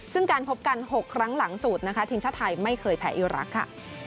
ซึ่งการพบกัน๖ครั้งหลังสุดนะคะทีมชาติไทยไม่เคยแพ้อิรักษ์ค่ะ